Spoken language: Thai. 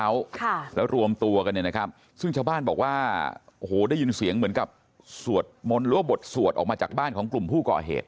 แล้วรวมตัวกันเนี่ยนะครับซึ่งชาวบ้านบอกว่าโอ้โหได้ยินเสียงเหมือนกับสวดมนต์หรือว่าบทสวดออกมาจากบ้านของกลุ่มผู้ก่อเหตุ